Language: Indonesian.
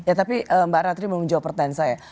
ya tapi mbak ratri mau menjawab pertanyaan saya